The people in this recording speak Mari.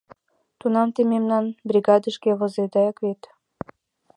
— Тунам те мемнам бригадышке возедак вет?